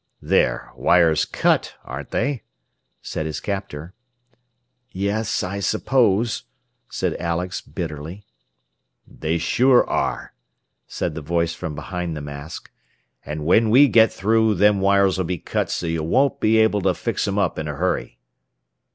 "There wires cut, ain't they?" said his captor. "Yes, I suppose," said Alex, bitterly. "They sure are," said the voice from behind the mask. "And when we get through, them wires'll be cut so you won't be able to fix 'em up in a hurry."